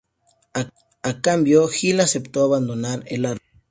A cambio, Hill aceptó abandonar el árbol.